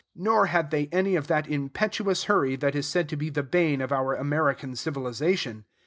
Nor had they any of that impetuous hurry that is said to be the bane of our American civilization.